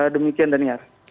demikian dan iya